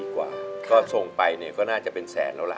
ก็ส่งไปก็น่าจะเป็นแสนแล้วล่ะ